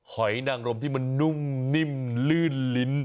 หอยนางรมที่มันนุ่มนิ่มลื่นลิ้น